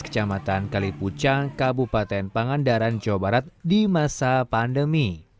kecamatan kalipucang kabupaten pangandaran jawa barat di masa pandemi